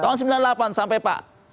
tahun sembilan puluh delapan sampai pak